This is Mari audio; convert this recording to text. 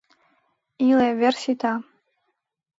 Иле, вер сита.